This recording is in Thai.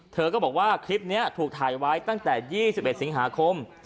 เธอก็บอกว่าคลิปนี้ถูกถ่ายไว้ตั้งแต่๒๑สิงหาคม